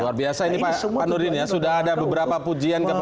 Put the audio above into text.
luar biasa ini pak nurin ya sudah ada beberapa pujian ke pemerintahan ini